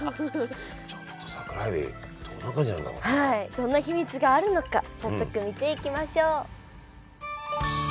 どんな秘密があるのか早速見ていきましょう！